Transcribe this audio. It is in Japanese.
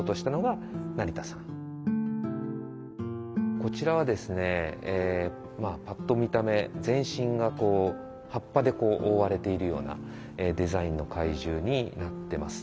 こちらはですねぱっと見た目全身が葉っぱで覆われているようなデザインの怪獣になってます。